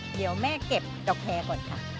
เดี๋ยวแม่เก็บดอกแคร์ก่อนค่ะ